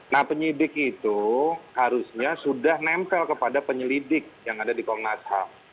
nah penyidik itu harusnya sudah nempel kepada penyelidik yang ada di komnas ham